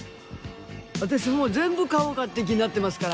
私もう全部買おうかっていう気になってますから。